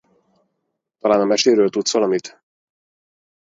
Talán a meséről tudsz valamit?